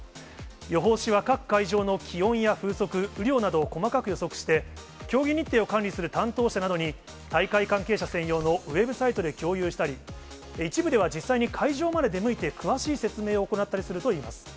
予報士は各会場の気温や風速、雨量などを細かく予測して、競技日程を管理する担当者などに、大会関係者専用のウェブサイトで共有したり、一部では実際に会場まで出向いて、詳しい説明を行ったりするといいます。